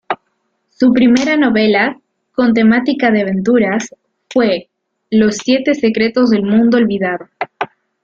Su primera novela, con temática de aventuras, fue "Los Siete Secretos del Mundo Olvidado".